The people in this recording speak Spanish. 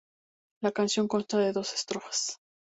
La canción consta de dos estrofas.